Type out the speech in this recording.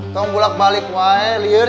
tuh bulat balik waelir